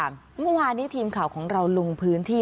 เมื่อวานนี้ทีมข่าวของเราลงพื้นที่